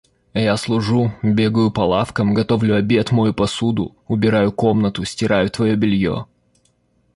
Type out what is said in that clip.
Я служу, бегаю по лавкам, готовлю обед, мою посуду, убираю комнату, стираю твоё бельё...